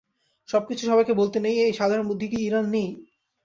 সবকিছু সবাইকে বলতে নেই, এই সাধারণ বুদ্ধি কি ইরার নেই?